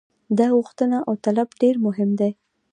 دا غوښتنه او طلب ډېر مهم دی.